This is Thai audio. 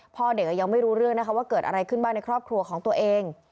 พ่อเด็กยังไม่รู้เรื่องนะคะว่าเกิดอะไรขึ้นบ้างในครอบครัวของตัวเอง